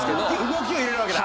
動きを入れるわけだ。